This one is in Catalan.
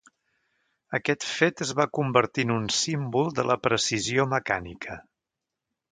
Aquest fet es va convertir en un símbol de la precisió mecànica.